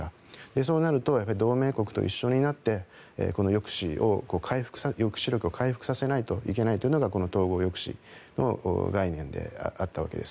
そうなると同盟国と一緒になってこの抑止力を回復させないといけないというのがこの統合抑止の概念であったわけです。